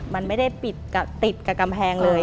มันไม่ได้ปิดติดกับกำแพงเลย